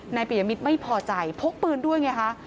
ปียมิตรไม่พอใจพกปืนด้วยไงคะ